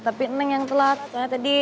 tapi neng yang telat